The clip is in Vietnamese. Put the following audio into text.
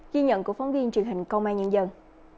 ghi nhận của phóng viên truyền hình công an nhân dân